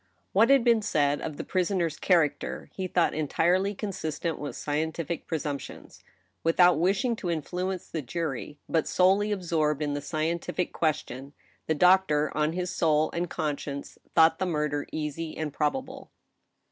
What hzA been said of the prisoner's character, he thought en tirely consistent with scientific presumptions. Without wishing to influence the jury, but solely absorbed in the scientific question, the doctor on his soul and conscience thought the murder easy and probable.